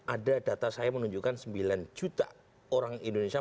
ada data saya menunjukkan sembilan juta orang indonesia